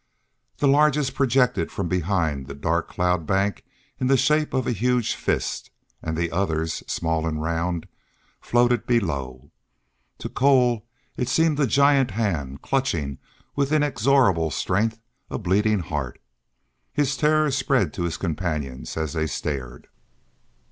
The largest projected from behind the dark cloud bank in the shape of a huge fist, and the others, small and round, floated below. To Cole it seemed a giant hand, clutching, with inexorable strength, a bleeding heart. His terror spread to his companions as they stared.